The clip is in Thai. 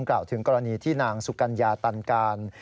กล่าวถึงกรณีที่นางสุกัญญาตันการ